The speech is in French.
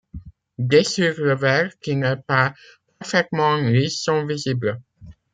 Des sur le verre qui n'est pas parfaitement lisse sont visibles.